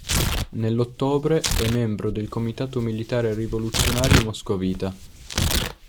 Nell'ottobre è membro del comitato militare rivoluzionario moscovita.